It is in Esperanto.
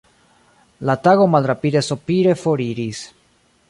La tago malrapide sopire foriris.